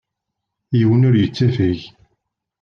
Yiwen ur yetteffeɣ.